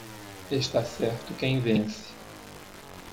Está certo quem vence.